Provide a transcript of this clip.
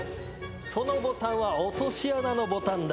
そのボタンは落とし穴のボタンだ。